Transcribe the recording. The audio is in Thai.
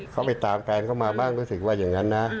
เขาไปตามแฟนเข้ามาบ้างรู้สึกว่าอย่างนั้นนะ